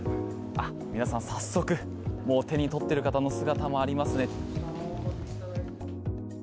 皆さん早速もう手に取ってる方の姿もありますね。